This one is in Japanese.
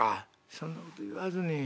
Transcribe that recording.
「そんなこと言わずに。